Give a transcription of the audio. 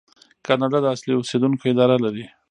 کاناډا د اصلي اوسیدونکو اداره لري.